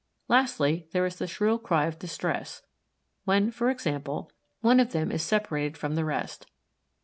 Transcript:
Lastly there is the shrill cry of distress, when, for example, one of them is separated from the rest.